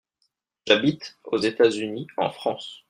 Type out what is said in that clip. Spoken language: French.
J'habite (aux États-Unis/en France).